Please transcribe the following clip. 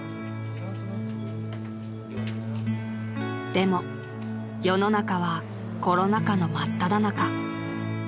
［でも世の中はコロナ禍の真っただ中］